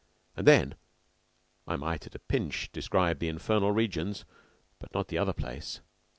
And then I might at a pinch describe the infernal regions, but not the other place.